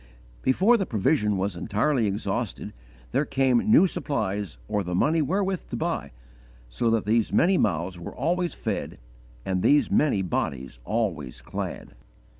Before the provision was entirely exhausted, there came new supplies or the money wherewith to buy, so that these many mouths were always fed and these many bodies always clad.